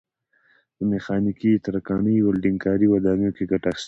په میخانیکي، ترکاڼۍ، ولډنګ کاري، ودانیو کې ګټه اخیستل کېږي.